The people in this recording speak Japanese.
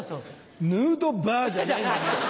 ヌードバーじゃないんだね。